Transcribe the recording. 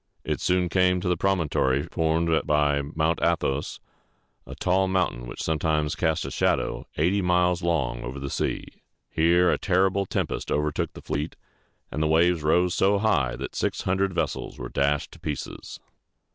It soon came to the promontory formed by Mount A´thos, a tall mountain which sometimes casts a shadow eighty miles long over the sea. Here a terrible tempest overtook the fleet, and the waves rose so high that six hundred vessels were dashed to pieces.